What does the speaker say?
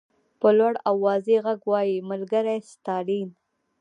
په لوړ او واضح غږ وایي ملګری ستالین.